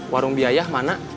warung biayah mana